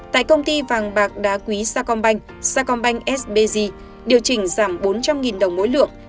tại công ty vàng bạc đá quý sacombank sacombank s b g điều chỉnh giảm bốn trăm linh đồng mỗi lượng